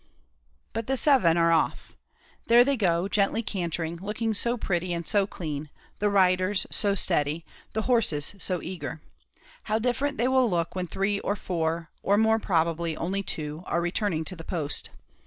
But the seven are off. There they go, gently cantering, looking so pretty, and so clean the riders so steady the horses so eager. How different they will look when three or four, or more probably only two, are returning to the post!